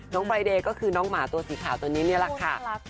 ไฟเดย์ก็คือน้องหมาตัวสีขาวตัวนี้นี่แหละค่ะ